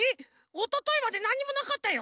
おとといまでなんにもなかったよ？